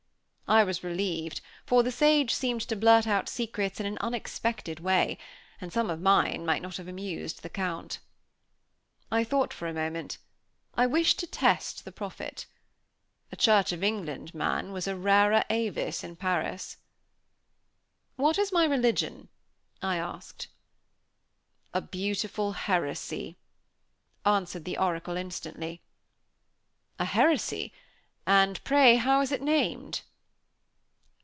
I was relieved, for the sage seemed to blurt out secrets in an unexpected way; and some of mine might not have amused the Count. I thought for a moment. I wished to test the prophet. A Church of England man was a rara avis in Paris. "What is my religion?" I asked. "A beautiful heresy," answered the oracle instantly. "A heresy? and pray how is it named?"